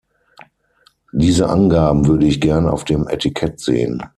Diese Angaben würde ich gern auf dem Etikett sehen.